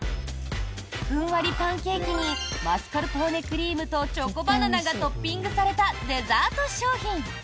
ふんわりパンケーキにマスカルポーネクリームとチョコバナナがトッピングされたデザート商品。